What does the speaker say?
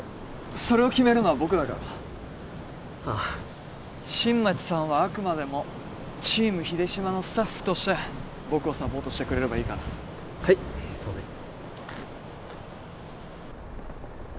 それを決めるのは僕だからああ新町さんはあくまでもチーム秀島のスタッフとして僕をサポートしてくれればいいからはいすいません